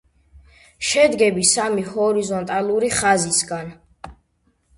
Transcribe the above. შედგები სამი ჰორიზონტალური ხაზისგან.